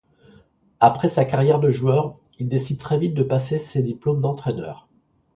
Après sa carrière de joueur, il décide très vite de passer ses diplômes d'entraineur.